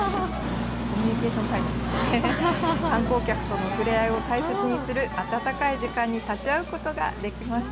この触れ合いを大切にする温かい時間に立ち会うことができま